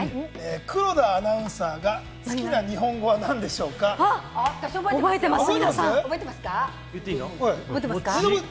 黒田アナウンサーが好きな日本語は私は覚えてますよ。